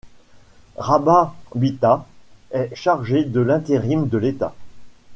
Rabah Bitat est chargé de l'intérim de l'État.